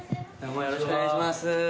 よろしくお願いします。